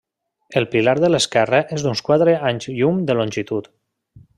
El pilar de l'esquerra és d'uns quatre anys llum de longitud.